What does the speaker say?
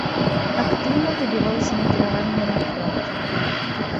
Актыўна дабіваўся накіравання на фронт.